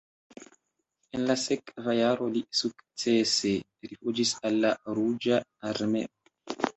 En la sekva jaro li sukcese rifuĝis al la Ruĝa Armeo.